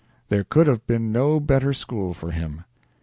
There could have been no better school for him.